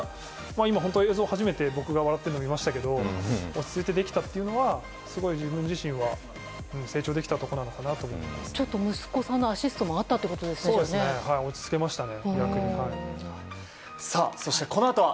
今、映像で初めて僕が笑っているの見ましたけど落ち着いてできたというのはすごく自分自身は成長できたことなのかなとちょっと息子さんのアシストもあったってことですかね。